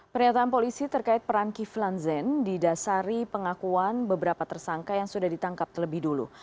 pernyataan polisi terkait peran kiflan zen didasari pengakuan beberapa tersangka yang sudah ditangkap terlebih dulu